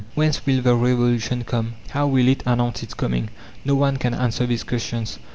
Whence will the revolution come? how will it announce its coming? No one can answer these questions.